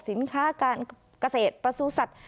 สินค้าการเกษตรประสูจัตว